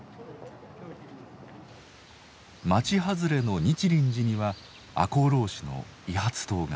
町外れの日輪寺には赤穂浪士の遺髪塔が。